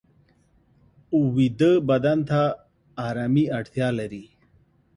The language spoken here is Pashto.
ویده بدن ته آرامي اړتیا لري